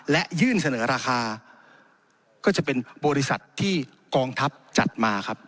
และยื่นเสนอราคาก็จะเป็นบริษัทที่กองทัพจัดมาครับ